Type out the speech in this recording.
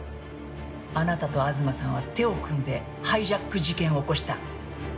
あなたと東さんは手を組んでハイジャック事件を起こした。